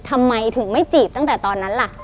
ทำไมถึงไม่จีบตั้งแต่ตอนนั้นล่ะ